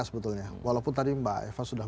sebetulnya walaupun tadi mbak eva sudah